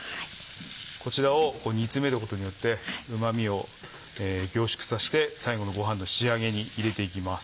こちらを煮詰めることによってうま味を凝縮させて最後のごはんの仕上げに入れていきます。